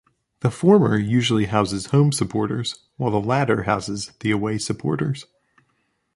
The former usually houses home supporters while the latter houses the away supporters.